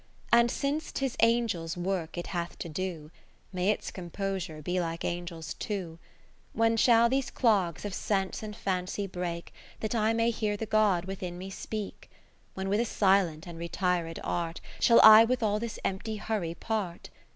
And since 'tis Angels' work it hath to do, May its composure be like Angels too. When shall these clogs of Sense and Fancy break, That I may hear the God within me speak ? 50 When with a silent and retired art Shall I with all this empty hurry part?